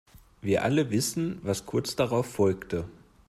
Wir alle wissen, was kurz darauf folgte.